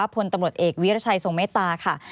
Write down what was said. พลตำรวจเอกวิรัชัยทรงเมตตาค่ะ